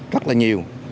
rất là nhiều